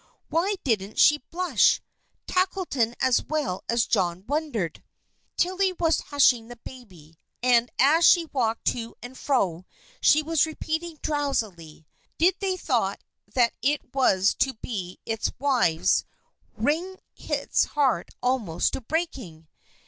Why didn't she blush? Tackleton as well as John wondered. Tilly was hushing the baby and as she walked to and fro, she was repeating drowsily: "Did they thought that it was to be its wives wring its heart almost to breaking?